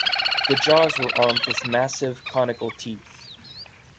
The jaws were armed with massive conical teeth.